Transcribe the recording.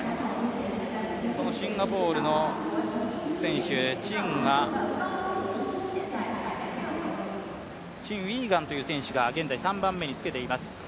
そのシンガポールの選手、チンウィー・ガンという選手が現在３番目につけています。